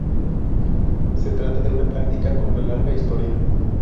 Se trata de una práctica con una larga historia.